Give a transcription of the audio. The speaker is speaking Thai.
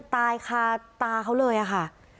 ตายคาตาเขาเลยค่ะ